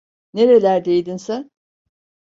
Nerelerdeydin sen?